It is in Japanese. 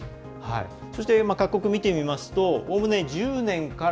そして、各国を見てみますとおおむね１０年から